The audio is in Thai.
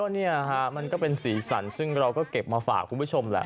เนี่ยฮะมันก็เป็นสีสันซึ่งเราก็เก็บมาฝากคุณผู้ชมแหละ